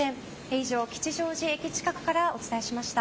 以上、吉祥寺駅近くからお伝えしました。